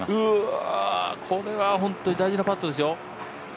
うわ、これは本当に大事なパットですよ。